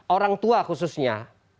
orang tua khususnya